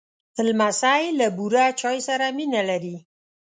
لمسی له بوره چای سره مینه لري.